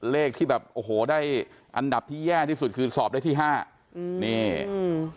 เลขที่แบบโอ้โหได้อันดับที่แย่ที่สุดคือสอบได้ที่ห้าอืมนี่อืม